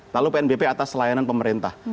lalu pnbp atas layanan pemerintah